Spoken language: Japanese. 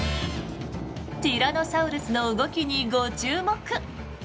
ティラノサウルスの動きにご注目！